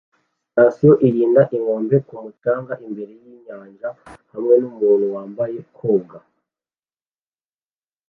Sitasiyo irinda inkombe ku mucanga imbere yinyanja hamwe numuntu wambaye koga